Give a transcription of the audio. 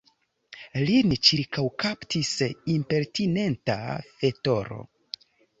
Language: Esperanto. Lin ĉirkaŭkaptis impertinenta fetoro.